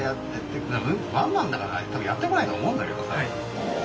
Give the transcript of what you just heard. ワンマンだから多分やってこないと思うんだけどね。